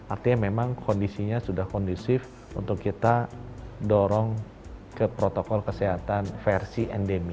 artinya memang kondisinya sudah kondusif untuk kita dorong ke protokol kesehatan versi endemi